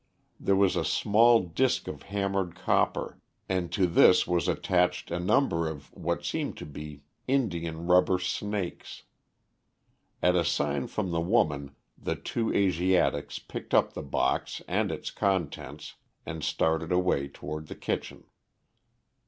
There was a small disk of hammered copper, and to this was attached a number of what seemed to be india rubber snakes. At a sign from the woman the two Asiatics picked up the box and its contents and started away toward the kitchen.